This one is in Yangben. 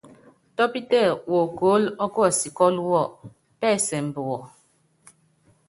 Tɔ́pítɛ wokóólo ɔ́kuɔsikɔ́lu wɔ, pɛ́sɛmbɛ wɔ.